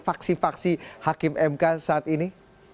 faksi faksi hakim mk saat ini